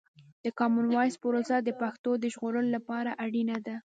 د کامن وایس پروسه د پښتو د ژغورلو لپاره اړینه ده.